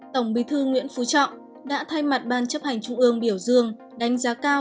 tổng bí thư nguyễn phú trọng đã thay mặt ban chấp hành trung ương biểu dương đánh giá cao